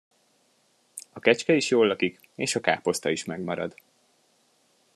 A kecske is jóllakik és a káposzta is megmarad.